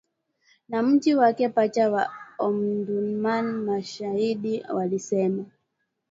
na mji wake pacha wa Omdurman mashahidi walisema